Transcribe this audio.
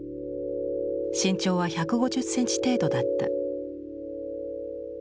身長は１５０センチ程度だった。